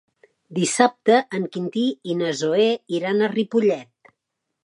Dissabte en Quintí i na Zoè iran a Ripollet.